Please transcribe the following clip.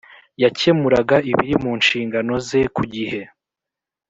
yakemuraga ibiri mu nshingano ze ku gihe.